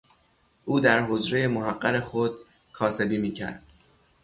او در حجرهٔ محقر خود کاسبی میکرد